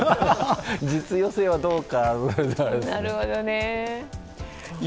実用性はどうか。